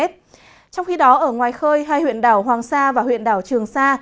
trong khi đó ở ngoài khơi hai huyện đảo hoàng sa và huyện đảo trường sa